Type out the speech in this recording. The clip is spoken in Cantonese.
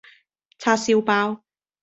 叉燒包